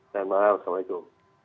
selamat malam assalamu'alaikum